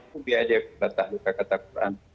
kubi'ah jaya' fulat tahlukah kata quran